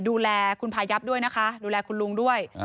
ดูแลคุณพายับด้วยนะคะดูแลคุณลุงด้วย